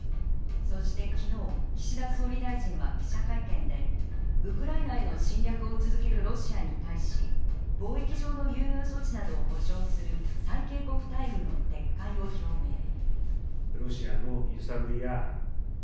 そして昨日、岸田総理大臣は記者会見で、ウクライナへの侵略を続けるロシアに対し、貿易上の優遇措置などを補償する最恵国待遇の撤回を表明。